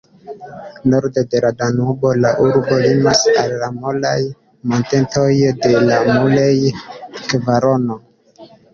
Norde de la Danubo la urbo limas al la molaj montetoj de la Mulej-kvarono.